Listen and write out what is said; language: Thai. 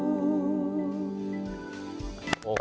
อุ้โห